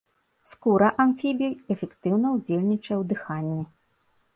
Скуры амфібій эфектыўна ўдзельнічае у дыханні.